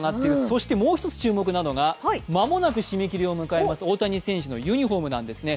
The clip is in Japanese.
そしてもう一つ注目なのが間もなく締め切りを迎える大谷翔平のユニフォームなんですね。